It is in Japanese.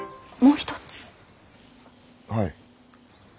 はい。